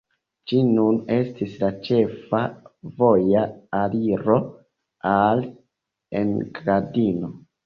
Ĝi nun estis la ĉefa voja aliro al Engadino.